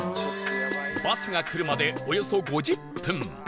バスが来るまでおよそ５０分